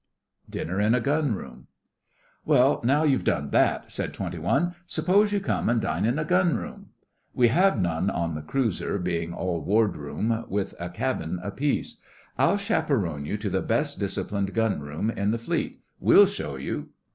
DINNER IN A GUN ROOM 'Well, now you've done that,' said Twenty One, 'suppose you come and dine in a Gun room.' (We have none on the cruiser, being all ward room, with a cabin apiece.) 'I'll chaperon you to the best disciplined Gun room in the Fleet. We'll show you.